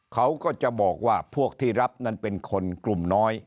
เขาก็จะบอกว่าพวกที่รับนั้นเป็นคนกลุ่มน้อย